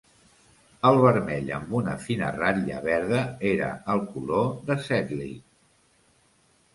El vermell, amb una fina ratlla verda, era el color de Sedleigh.